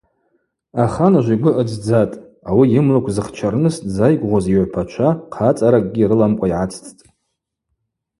Аханыжв йгвы ыдздзатӏ, ауи йымлыкв зхчарныс дзайгвыгъуз йыгӏвпачва хъацӏаракӏгьи рыламкӏва йгӏацӏцӏтӏ.